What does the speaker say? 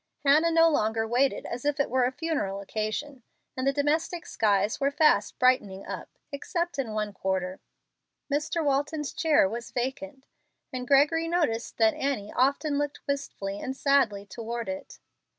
Hannah no longer waited as if it were a funeral occasion, and the domestic skies were fast brightening up, except in one quarter: Mr. Walton's chair was vacant, and Gregory noticed that Annie often looked wistfully and sadly toward it.